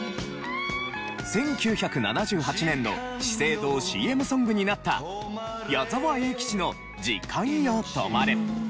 １９７８年の資生堂ＣＭソングになった矢沢永吉の『時間よ止まれ』。